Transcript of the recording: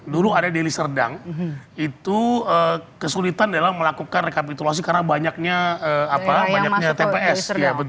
dulu ada deli serdang itu kesulitan dalam melakukan rekapitulasi karena banyaknya tps